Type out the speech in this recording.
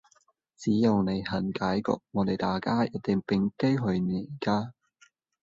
只要你肯改過，我哋大家一定畀機會你㗎